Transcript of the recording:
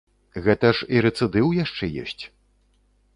Гэта ж і рэцыдыў яшчэ ёсць.